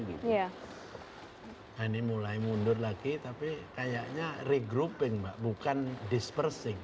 itu mulai mundur lagi tapi kayanya pem gate bukaan dan tidak terdampak